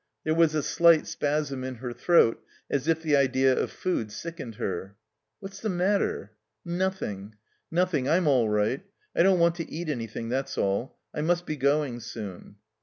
There was a slight spasm in her throat as if the idea of food sickened her. "What's the matter?" "Nothing — ^nothing, I'm all right. I don't want to eat anjrthing, that's all. I must be going soon."